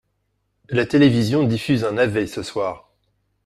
La télévision diffuse un navet ce soir